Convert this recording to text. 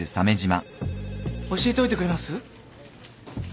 教えておいてくれます？